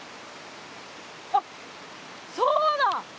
あそうだ！